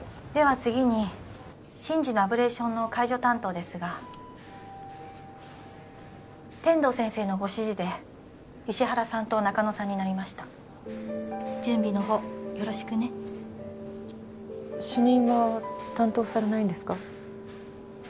次に真司のアブレーションの介助担当ですが天堂先生のご指示で石原さんと中野さんになりました準備のほうよろしくね主任は担当されないんですか？